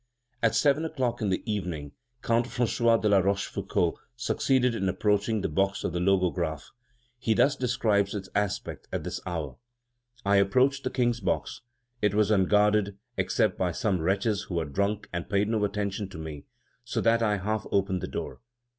At seven o'clock in the evening, Count François de la Rochefoucauld succeeded in approaching the box of the Logographe. He thus describes its aspect at this hour: "I approached the King's box; it was unguarded except by some wretches who were drunk and paid no attention to me, so that I half opened the door.